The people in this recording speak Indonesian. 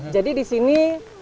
jadi di sini